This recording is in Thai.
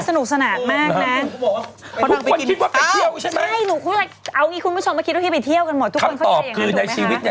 พอหนักนางบ่นนะอย่ามาทักเรื่องเกาหลีนางบ่น